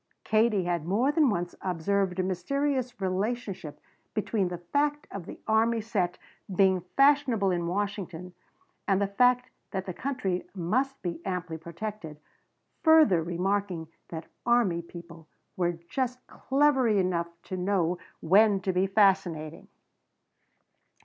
Katie had more than once observed a mysterious relationship between the fact of the army set being fashionable in Washington and the fact that the country must be amply protected, further remarking that army people were just clever enough to know when to be fascinating.